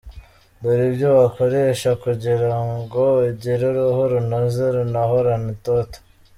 Dore ibyo wakoresha kugira ngo ugire uruhu runoze runahorana itoto:.